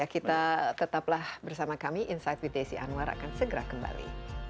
kita tetaplah bersama kami insight with desi anwar akan segera kembali